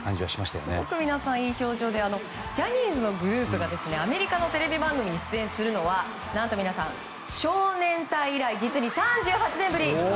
すごく皆さんいい表情でジャニーズのグループがアメリカのテレビ番組に出演するのは少年隊以来実に３８年ぶり。